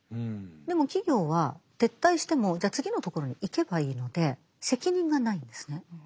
でも企業は撤退してもじゃあ次のところに行けばいいので責任がないんですね。